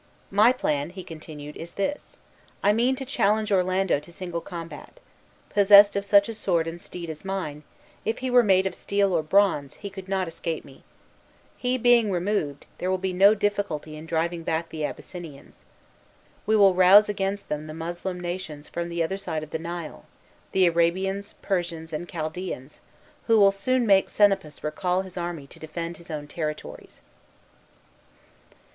My plan," he continued, "is this: I mean to challenge Orlando to single combat. Possessed of such a sword and steed as mine, if he were made of steel or bronze, he could not escape me. He being removed, there will be no difficulty in driving back the Abyssinians. We will rouse against them the Moslem nations from the other side of the Nile, the Arabians, Persians, and Chaldeans, who will soon make Senapus recall his army to defend his own territories."